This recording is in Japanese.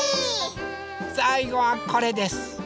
さいごはこれです。